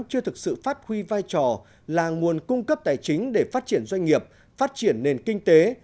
chưa thực sự phát huy vai trò là nguồn cung cấp tài chính để phát triển doanh nghiệp phát triển nền kinh tế